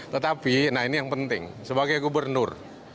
tetapi nah ini yang penting sebagai gubernur